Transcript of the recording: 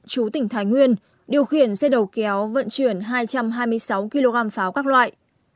chú tỉnh thái nguyên điều khiển xe đầu kéo vận chuyển hai trăm hai mươi sáu kg pháo các loại